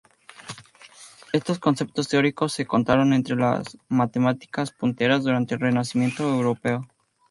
Estos conceptos teóricos se contaron entre las matemáticas punteras durante el Renacimiento europeo.